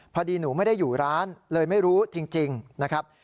พอดีหนูไม่ได้อยู่ร้านเลยไม่รู้จริงนะครับ